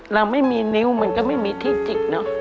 เราไม่มีนิ้วมันก็ไม่มีที่จิกเนอะ